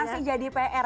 masih jadi pr